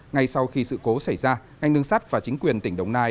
ngay sau khi sự cố xảy ra ngành đường sắt và chính quyền tỉnh đồng nai